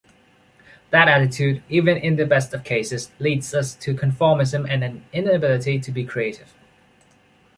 That attitude, even in the best of cases, leads us to conformism and an inability to be creative.